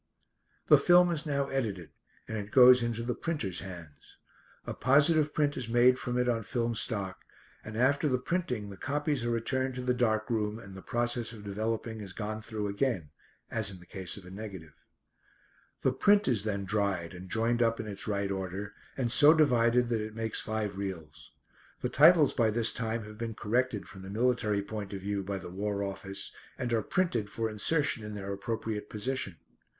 The film is now edited, and it goes into the printer's hands. A positive print is made from it on film stock, and after the printing the copies are returned to the dark room and the process of developing is gone through again, as in the case of a negative. The print is then dried and joined up in its right order, and so divided that it makes five reels. The titles by this time have been corrected from the military point of view by the War Office, and are printed for insertion in their appropriate position.